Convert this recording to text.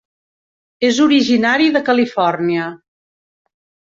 És originari de Califòrnia.